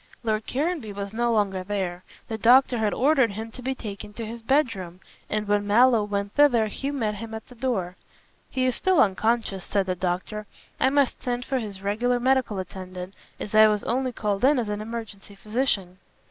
Lord Caranby was no longer there. The doctor had ordered him to be taken to his bedroom, and when Mallow went thither he met him at the door, "He is still unconscious," said the doctor, "I must send for his regular medical attendant, as I was only called in as an emergency physician."